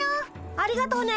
ありがとね